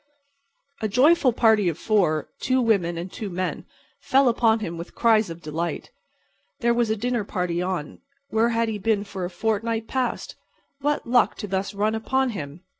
A joyful party of four—two women and two men—fell upon him with cries of delight. There was a dinner party on—where had he been for a fortnight past?—what luck to thus run upon him!